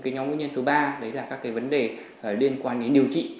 nhóm nguyên nhân thứ ba đấy là các vấn đề liên quan đến điều trị